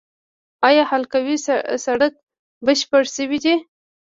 آیا حلقوي سړک بشپړ شوی دی؟